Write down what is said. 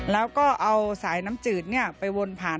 แล้วก็เอาสายน้ำจืดไปวนผ่าน